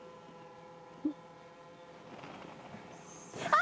あ！